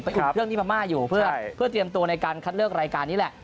อุ่นเครื่องที่พม่าอยู่เพื่อเตรียมตัวในการคัดเลือกรายการนี้แหละ